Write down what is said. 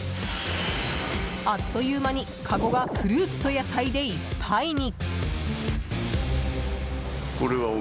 あっという間に、かごがフルーツと野菜でいっぱいに。